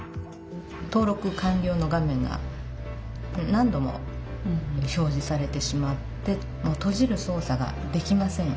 登録完りょうの画面が何度も表じされてしまってもうとじるそう作ができません。